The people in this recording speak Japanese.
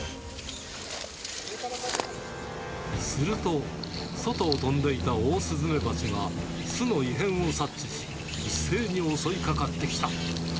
すると、外を飛んでいたオオスズメバチが巣の異変を察知し、一斉に襲いかかってきた。